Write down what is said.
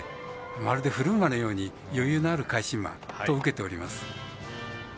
まるで古馬のように余裕のある返し馬と受けております。